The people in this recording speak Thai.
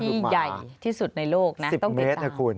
ที่ใหญ่ที่สุดในโลกนะต้องติดตาม